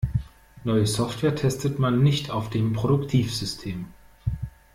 Neue Software testet man nicht auf dem Produktivsystem.